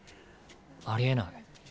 ありえない。